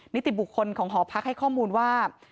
นิติบุคคลของหอพักให้ข้อมูลว่า